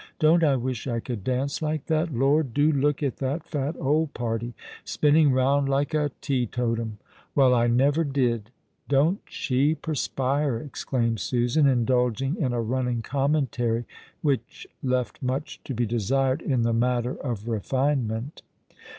Don't I wish I conlcl danca like that? Lor, do look at that fat old party, spinning roimd like a testotnm ! Well, I never did ! Don't she perspire !" exclaimed Susan, indulging in a running commentary which left much to bo desired in the matter of refinement.